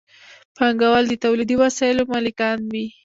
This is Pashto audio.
پانګوال د تولیدي وسایلو مالکان وي.